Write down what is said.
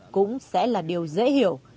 cũng sẽ là điều dễ hiểu